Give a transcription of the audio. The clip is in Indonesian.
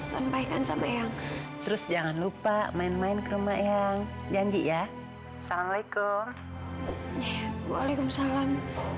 sampaikan sama yang terus jangan lupa main main ke rumah yang janji ya assalamualaikum waalaikumsalam